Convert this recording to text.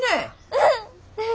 うん。